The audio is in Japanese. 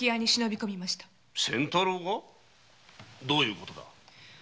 どういうことだ？